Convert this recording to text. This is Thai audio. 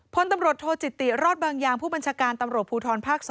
พลตำรวจโทจิติรอดบางยางผู้บัญชาการตำรวจภูทรภาค๒